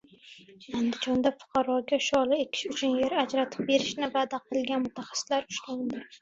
Andijonda fuqaroga sholi ekish uchun yer ajratib berishni va’da qilgan mutaxassis ushlandi